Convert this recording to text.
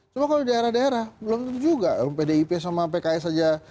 cuma kalau di daerah daerah belum tentu juga pdip sama pks aja bisa bergabung ya